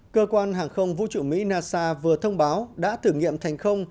cơ quan hàng không vũ trụ mỹ nasa vừa thông báo đã thử nghiệm thành công